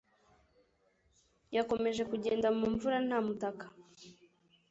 Yakomeje kugenda mu mvura nta mutaka.